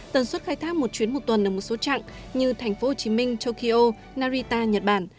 tần suất khai thác một chuyến một tuần ở một số trạng như thành phố hồ chí minh tokyo narita nhật bản